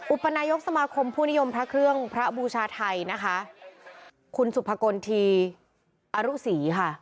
อุปนายกสมาคมผู้นิยมพระเครื่องพระบูชาไทยนะคะคุณสุภกลทีอรุศรีค่ะ